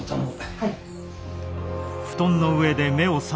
はい。